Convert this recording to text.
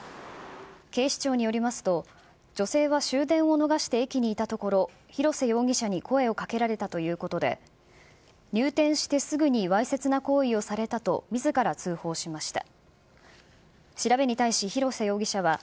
警視庁によりますと、女性は終電を逃して駅にいたところ、広瀬容疑者に声をかけられたということで、入店してすぐにわいせつな行為をされたとみずから通報しました。